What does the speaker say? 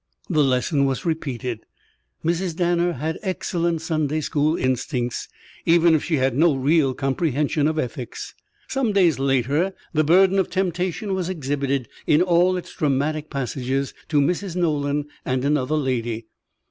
The lesson was repeated. Mrs. Danner had excellent Sunday school instincts, even if she had no real comprehension of ethics. Some days later the burden of temptation was exhibited, in all its dramatic passages, to Mrs. Nolan and another lady.